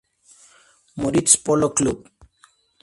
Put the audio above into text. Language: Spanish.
Moritz Polo Club.